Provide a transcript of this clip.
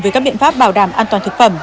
về các biện pháp bảo đảm an toàn thực phẩm